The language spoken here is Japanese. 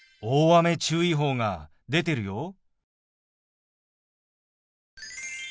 大雨注意報が出てるよ。